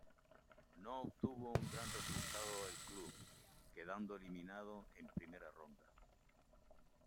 No obtuvo un gran resultado el club, quedando eliminado en primera ronda.